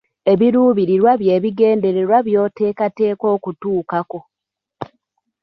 Ebiruubirirwa bye bigendererwa by'oteeketeeka okutuukako.